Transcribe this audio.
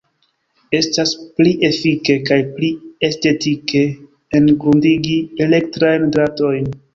Estas pli efike kaj pli estetike engrundigi elektrajn dratojn.